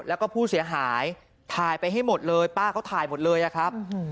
แล้วก็ผู้เสียหายถ่ายไปให้หมดเลยป้าเขาถ่ายหมดเลยอะครับ